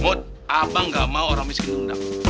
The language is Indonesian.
mut abang nggak mau orang miskin undang